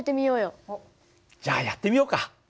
じゃあやってみようか。